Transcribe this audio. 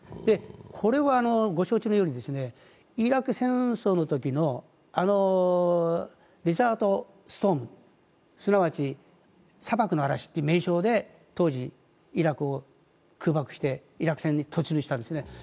これはご承知のようにイラク戦争のときの、デザート・ストーム、すなわち砂漠の嵐という名称で当時イラクを空爆してイラク戦に突入したんですね。